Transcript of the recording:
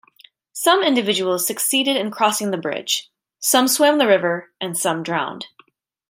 Some individuals succeeded in crossing the bridge; some swam the river and some drowned.